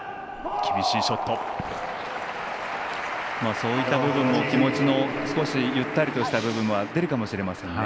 そういった部分も気持ちの少しゆったりとした部分が出るかもしれませんね。